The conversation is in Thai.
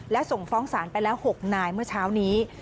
และส่งฟ้องศาลไปแล้ว๖นายเมื่อเช้านี้